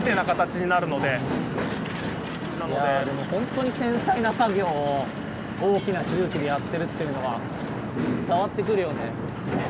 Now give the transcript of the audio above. いやでもほんとに繊細な作業を大きな重機でやってるっていうのが伝わってくるよね。